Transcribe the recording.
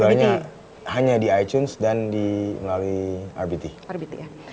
jualannya hanya di itunes dan melalui rbt